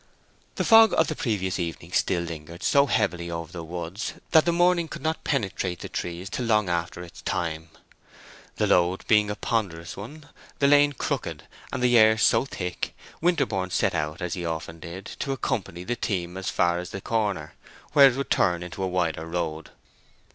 The fog of the previous evening still lingered so heavily over the woods that the morning could not penetrate the trees till long after its time. The load being a ponderous one, the lane crooked, and the air so thick, Winterborne set out, as he often did, to accompany the team as far as the corner, where it would turn into a wider road.